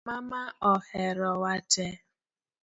Mama oherowa te